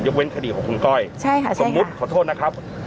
เว้นคดีของคุณก้อยใช่ค่ะสมมุติขอโทษนะครับ